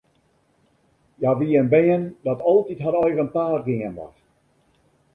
Hja wie in bern dat altyd har eigen paad gean moast.